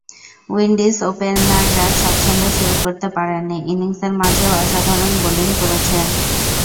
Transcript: Windies ওপেনাররা স্বচ্ছন্দে শুরু করতে পারেননি, ইনিংসের মাঝেও অসাধারণ বোলিং করেছেন।